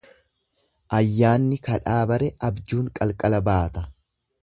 Ayyaanni kadhaa bare abjuun qalqala baata.